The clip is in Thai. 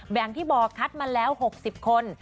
อย่างที่บอกคัดมาแล้ว๖๐คน